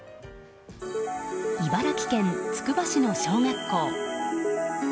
茨城県つくば市の小学校。